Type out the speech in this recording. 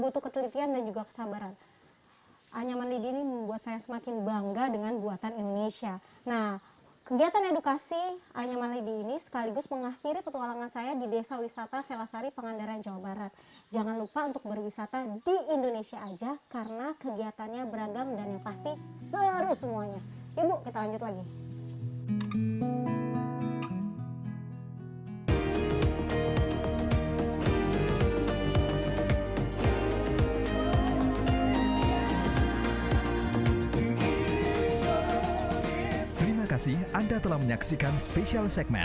terima kasih anda telah menyaksikan spesial segmen di indonesia